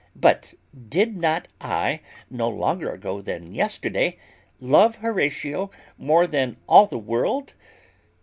But did not I, no longer ago than yesterday, love Horatio more than all the world?